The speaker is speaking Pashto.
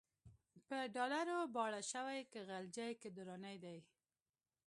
په ډالرو باړه شوی، که غلجی که درانی دی